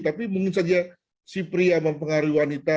tapi mungkin saja si pria mempengaruhi wanita